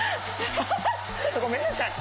ちょっとごめんなさい。